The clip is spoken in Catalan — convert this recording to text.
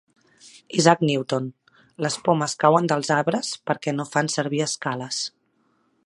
Isaac Newton: les pomes cauen dels arbres perquè no fan servir escales.